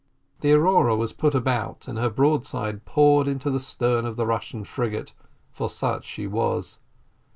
The Aurora was put about, and her broadside poured into the stern of the Russian frigate for such she was.